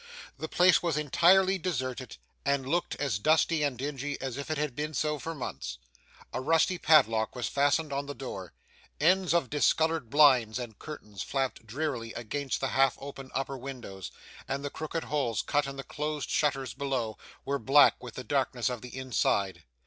The place was entirely deserted, and looked as dusty and dingy as if it had been so for months. A rusty padlock was fastened on the door, ends of discoloured blinds and curtains flapped drearily against the half opened upper windows, and the crooked holes cut in the closed shutters below, were black with the darkness of the inside.